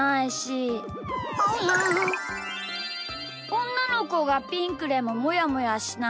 おんなのこがピンクでももやもやしない。